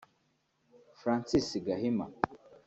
Francis Gahima